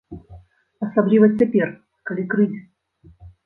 Асабліва цяпер, калі крызіс.